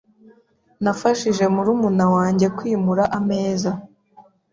Nafashije murumuna wanjye kwimura ameza .